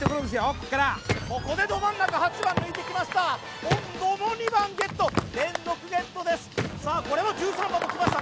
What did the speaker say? ここからここでど真ん中８番抜いてきました今度も２番ゲット連続ゲットですさあこれは１３番もきましたね